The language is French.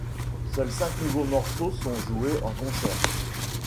Seuls cinq nouveaux morceaux sont joués en concert.